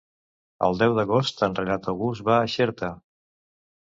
El deu d'agost en Renat August va a Xerta.